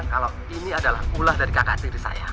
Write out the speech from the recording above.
kalau ini adalah ulah dari kakak tiri saya